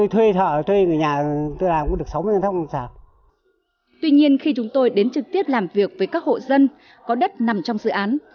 tuy nhiên khi chúng tôi đến trực tiếp làm việc với các hộ dân có đất nằm trong dự án